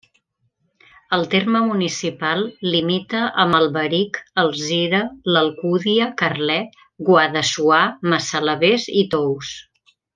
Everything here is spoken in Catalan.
El terme municipal limita amb Alberic, Alzira, l'Alcúdia, Carlet, Guadassuar, Massalavés i Tous.